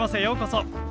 ようこそ。